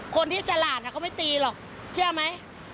คนที่ฉลาดเขาไม่ตีหรอกเชื่อไหม